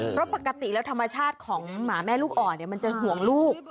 เพราะปกติแล้วธรรมชาติของหมาแม่ลูกอ่อนมันจะห่วงลูก